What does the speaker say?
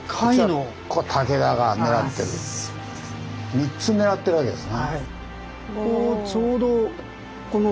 ３つ狙ってるわけですね。